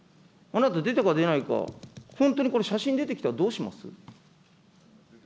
あなた、出たか出ないか、本当にこれ、写真出てきたらどうします。